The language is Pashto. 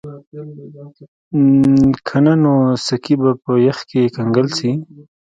که نه نو سکي به په یخ کې کنګل شي